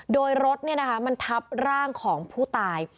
โดยรถนี่นะคะมันทับร่างของผู้ตาย